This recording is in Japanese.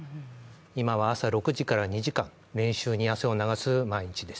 今は朝６時から２時間、練習に汗を流す毎日です。